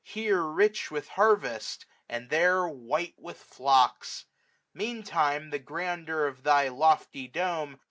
Here rich with harvest, and there white with flocks ! Mean time the grandeur of thy lofty dome.